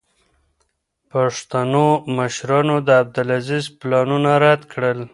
پښتنو مشرانو د عبدالعزیز پلانونه رد کړل.